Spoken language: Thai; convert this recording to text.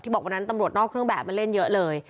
บอกวันนั้นตำรวจนอกเครื่องแบบมาเล่นเยอะเลย